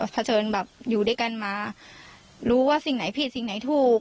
เผชิญแบบอยู่ด้วยกันมารู้ว่าสิ่งไหนผิดสิ่งไหนถูก